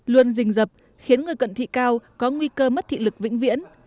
luôn rình dập khiến người cận thị cao có nguy cơ mất thị lực vĩnh viễn